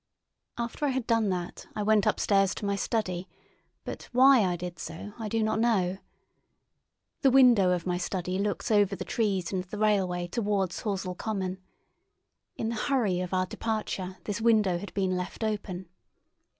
After I had done that I went upstairs to my study, but why I did so I do not know. The window of my study looks over the trees and the railway towards Horsell Common. In the hurry of our departure this window had been left open.